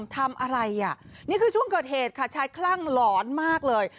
ทำอะไรอ่ะนี่คือช่วงเกิดเหตุค่ะชายคลั่งหลอนมากเลย